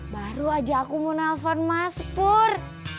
baru aja aku mau nelfon mas pur